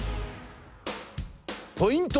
ポイント